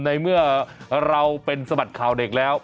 ในเมื่อเราเป็นสบัดข่าวเด็กแล้ว